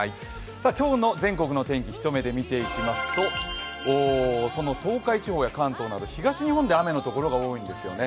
今日の全国の天気、見ていきますと東海や関東など東日本で雨のところが多いんですよね。